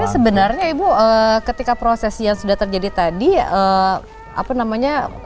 tapi sebenarnya ibu ketika proses yang sudah terjadi tadi apa namanya